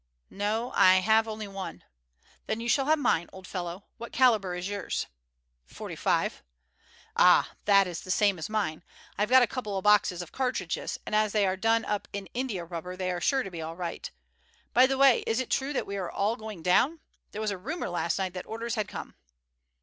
"No, I have only one." "Then you shall have mine, old fellow. What calibre is yours?" "·45." "Ah! that is the same as mine. I have got a couple of boxes of cartridges, and as they are done up in india rubber they are sure to be all right. By the way, is it true that we are all going down? There was a rumour last night that orders had come."